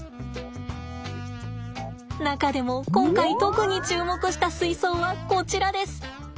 中でも今回特に注目した水槽はこちらです。